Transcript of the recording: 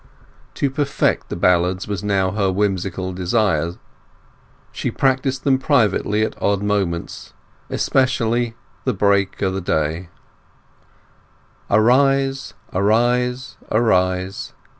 To perfect the ballads was now her whimsical desire. She practised them privately at odd moments, especially "The break o' the day": Arise, arise, arise!